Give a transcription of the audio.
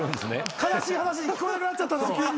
悲しい話に聞こえなくなった。